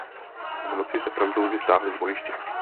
V noci se Francouzi stáhli z bojiště.